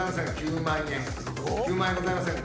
９万円ございませんか？